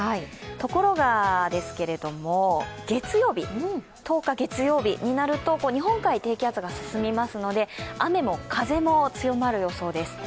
ところが、１０日、月曜日になると日本海に低気圧が進みますので雨も風も強まる予想です。